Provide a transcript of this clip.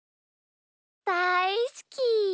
だいすき。